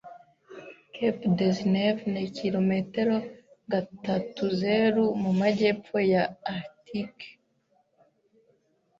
Cape Dezhnev ni kilometero gatatuzeru mu majyepfo ya Arctique.